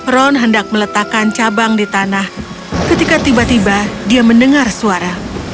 ron hendak meletakkan cabang di tanah ketika tiba tiba dia mendengar suara